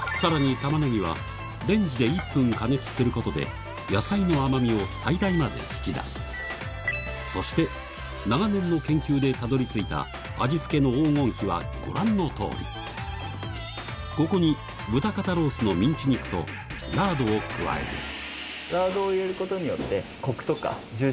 玉ねぎはレンジで１分加熱することで野菜の甘みを最大まで引き出すそして長年の研究でたどり着いた味付けの黄金比はご覧のとおりここに豚肩ロースのミンチ肉とラードを加えラードを入れることによって。